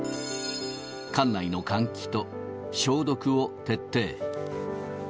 館内の換気と、消毒を徹底。